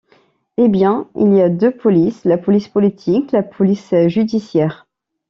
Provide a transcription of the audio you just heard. Eh! bien, il y a deux polices: la Police Politique, la Police Judiciaire.